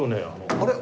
あれ？